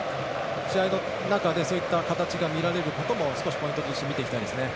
試合の中でそういった形が見られることも少しポイントとして見ていきたいですね。